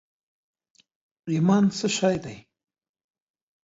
ایمان څه شي دي؟